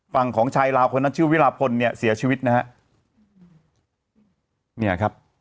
ฝั่งของชายลาวคนนั้นชื่อวิลาพลเนี่ยเสียชีวิตนะฮะเนี่ยครับ